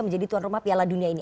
menjadi tuan rumah piala dunia ini